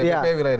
saya kan urus dpd